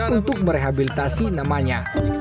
untuk merehabilitasi namanya